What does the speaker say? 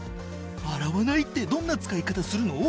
洗わないってどんな使い方するの？